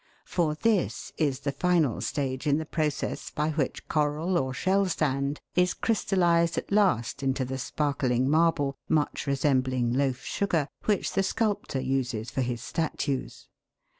For this. is the final stage in the process by which coral or shell sand is crystallised at last into the sparkling marble, much resembling loaf sugar, which the sculptor uses for his statues.